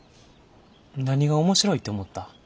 何が面白いって思った？